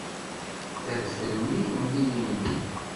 D adfel-nni n yilindi.